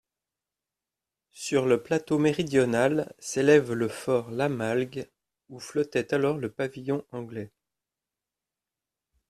Sur le plateau méridional s'élève le fort Lamalgue, où flottait alors le pavillon anglais.